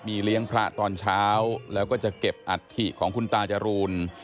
เลี้ยงพระตอนเช้าแล้วก็จะเก็บอัฐิของคุณตาจรูน